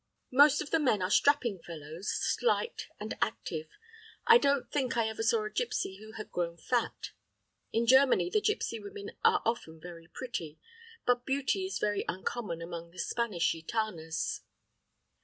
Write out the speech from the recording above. Most of the men are strapping fellows, slight and active. I don't think I ever saw a gipsy who had grown fat. In Germany the gipsy women are often very pretty; but beauty is very uncommon among the Spanish gitanas.